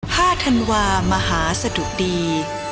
ห้าธันวามหาสดุดี